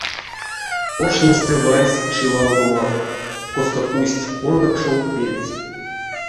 Оршнемстэ вансь чивалгомав, косто уйсть пондакшов пельть.